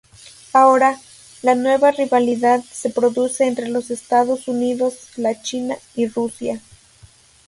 Ahora, la nueva rivalidad se produce entre los Estados Unidos, la China y Rusia.